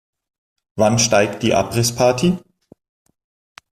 Wann steigt die Abrissparty?